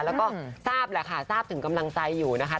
แล้วก็ทราบแหละค่ะทราบถึงกำลังใจอยู่นะคะ